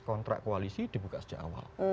kontrak koalisi dibuka sejak awal